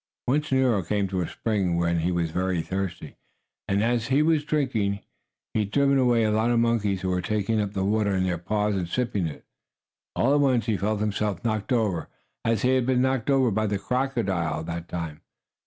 Once Nero came to a spring when he was very thirsty, and, as he was drinking, having driven away a lot of monkeys who were taking up the water in their paws and sipping it, all at once he felt himself knocked over as he had been knocked by the crocodile that time.